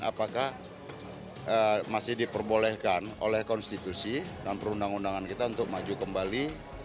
apakah masih diperbolehkan oleh konstitusi dan perundang undangan kita untuk maju kembali